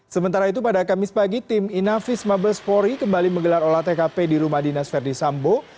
sementara itu pada kamis pagi tim inavis mabespori kembali menggelar olah tkp di rumah dinas verdi sambo